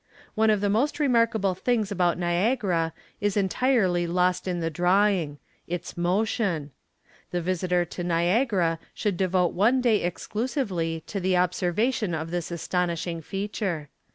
One of the most remarkable things about Niagara is entirely lost in the drawing—its motion. The visitor to Niagara should devote one day exclusively to the observation of this astonishing feature.